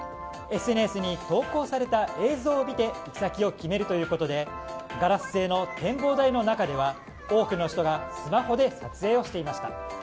ＳＮＳに投稿された映像を見て行き先を決めるということでガラス製の展望台の中では多くの人がスマホで撮影をしていました。